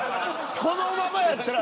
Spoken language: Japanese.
このままやったら